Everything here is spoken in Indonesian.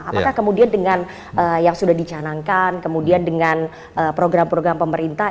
apakah kemudian dengan yang sudah dicanangkan kemudian dengan program program pemerintah